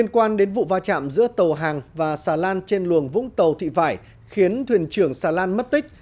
hòa chạm giữa tàu hàng và xà lan trên luồng vũng tàu thị vải khiến thuyền trưởng xà lan mất tích